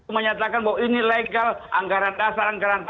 untuk menyatakan bahwa ini legal anggaran dasar anggaran takat